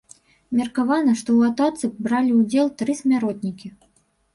Меркавана, што ў атацы бралі ўдзел тры смяротнікі.